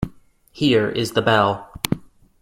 Here is the bell.